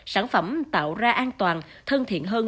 sản phẩm tạo ra an toàn thân thiện hơn